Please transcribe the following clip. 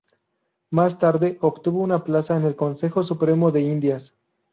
Más tarde obtuvo una plaza en el Consejo Supremo de Indias.